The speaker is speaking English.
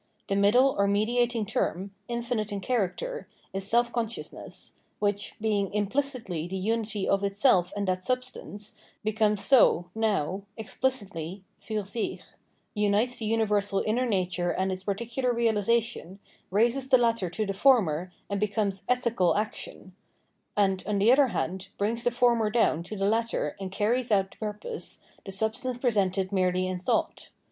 The middle or mediating term, infinite in character, is self consciousness, which, being implicitly the unity of itself and that substance, becomes so, now, explicitly (filr sicli), unites the universal inner nature and its particular realisation, raises the latter to the former and becomes ethical action : and, on the other hand, brings the former down to the latter and carries out the purpose, the substance presented merely in thought.